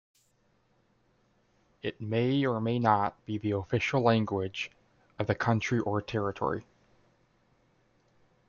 It may or may not be the official language of the country or territory.